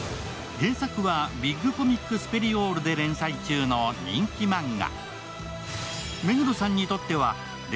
原作は「ビッグコミックスペリオール」で連載中の人気漫画。